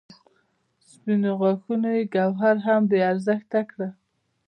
سپینو غاښونو یې ګوهر هم بې ارزښته کړ.